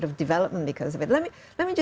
dan tidak terlihat banyak perkembangan karena itu